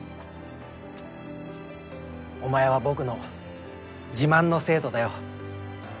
お前は僕の自慢の生徒だよ。